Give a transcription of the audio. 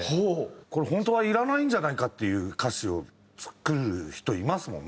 これ本当はいらないんじゃないかっていう歌詞を作る人いますもんね。